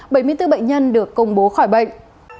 bảy mươi bốn bệnh nhân được công bố khỏi bệnh